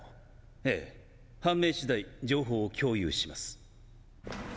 ええ判明しだい情報を共有します。